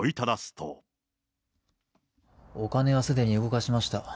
お金はすでに動かしました。